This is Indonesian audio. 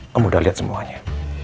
saya sudah lihat semuanya